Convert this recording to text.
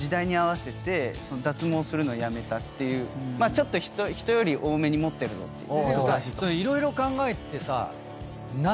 ちょっと人より多めに持ってるぞっていう。